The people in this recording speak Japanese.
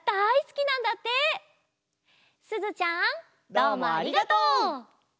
どうもありがとう！